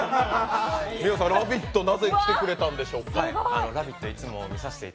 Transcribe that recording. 「ラヴィット！」、なぜ来てくれたんでしょうか。